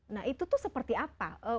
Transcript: nah itu tuh seperti apa